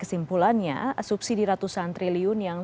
sampai jumpa lagi